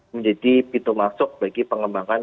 menjadi pintu masuk bagi pengembangan